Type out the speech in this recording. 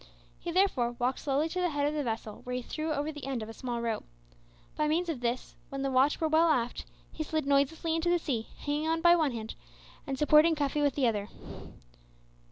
He, therefore, walked slowly to the head of the vessel, where he threw over the end of a small rope. By means of this, when the watch were well aft, he slid noiselessly into the sea, hanging on by one hand and supporting Cuffy with the other.